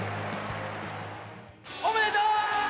おめでとう！